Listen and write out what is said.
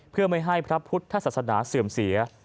เพื่อไม่ให้พระพุทธศาสนาเสื่อมเสีย